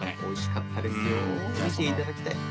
おいしかったですよ。